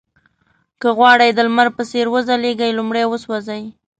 که غواړئ د لمر په څېر وځلېږئ لومړی وسوځئ.